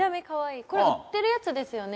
これ売ってるやつですよね